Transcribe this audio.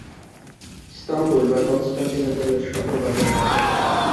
স্তাম্বুল বা কনষ্টাণ্টিনোপলের শহর বাজার দেখা গেল।